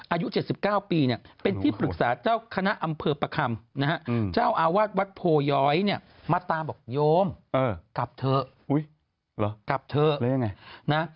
อายุ๗๙ปีเป็นที่ปรึกษาเจ้าคณะอำเภอประคัมเจ้าอาวาสวัตโภยอยมาตราบอกโยมกลับเถอะ